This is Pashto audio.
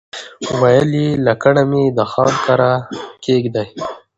وويل يې لکڼه مې د خان کړه کېږدئ.